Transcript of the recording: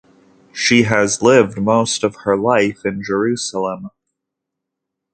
She has lived most of her life in Jerusalem.